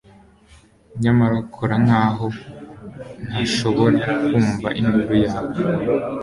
nyamara kora nkaho ntashobora kumva induru yawe